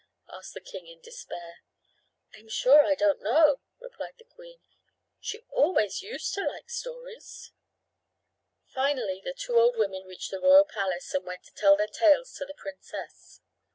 asked the king in despair. "I'm sure I don't know," replied the queen. "She always used to like stories." Finally the two old women reached the royal palace and went to tell their tales to the princess.